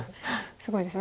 すごいですね。